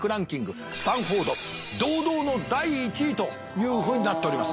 スタンフォード堂々の第１位というふうになっております。